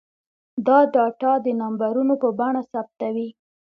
دا ډاټا د نمبرونو په بڼه ثبتوي.